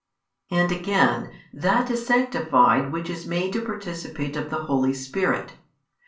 And again, that is sanctified which is made to participate of the Holy Spirit.